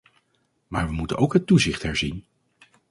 Maar we moeten ook het toezicht herzien.